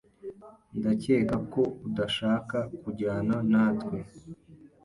Ndakeka ko udashaka kujyana natwe.